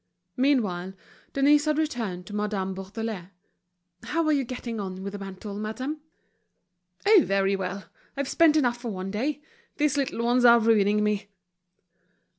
Meanwhile, Denise had returned to Madame Bourdelais. "How are you getting on with the mantle, madame?" "Oh, very well. I've spent enough for one day. These little ones are ruining me!"